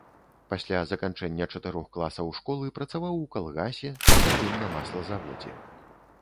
Пасля заканчэння чатырох класаў школы працаваў у калгасе, затым на маслазаводзе.